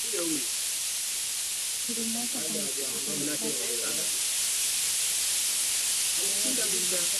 Kumtaka afike mahakamani kujibu kesi hiyo Karume